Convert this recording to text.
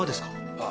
ああ。